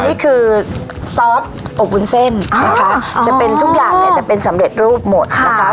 นี่คือซอสอบวุ้นเส้นนะคะจะเป็นทุกอย่างเนี่ยจะเป็นสำเร็จรูปหมดนะคะ